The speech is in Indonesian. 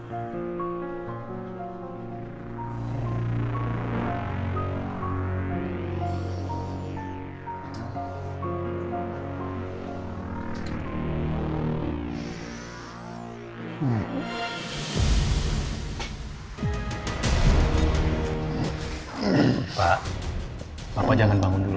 hai pak bapak jangan bangun dulu